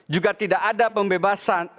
juga tidak ada pembebasan